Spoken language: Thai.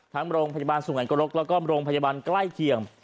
ทั้งโรงพยาบาลสุงอันโกรคและก็โรงพยาบาลใกล้เทียม